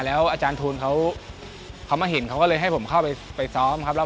แล้วอาจารย์ทูลเขามาเห็นเขาก็เลยให้ผมเข้าไปซ้อมครับ